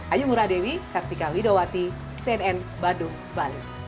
ayu muradewi kartika widowati cnn badung bali